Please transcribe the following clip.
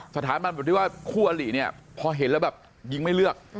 สถาบันแบบที่ว่าคู่อลิเนี่ยพอเห็นแล้วแบบยิงไม่เลือก